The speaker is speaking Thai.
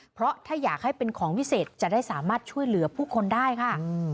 เพราะถ้าอยากให้เป็นของวิเศษจะได้สามารถช่วยเหลือผู้คนได้ค่ะ